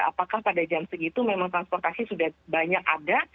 apakah pada jam segitu memang transportasi sudah banyak ada